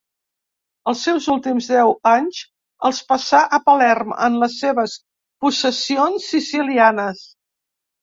Els seus últims deu anys els passa a Palerm, en les seves possessions sicilianes.